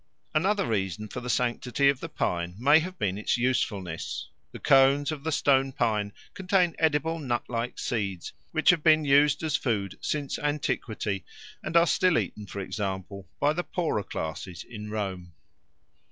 Another reason for the sanctity of the pine may have been its usefulness. The cones of the stone pine contain edible nut like seeds, which have been used as food since antiquity, and are still eaten, for example, by the poorer classes in Rome.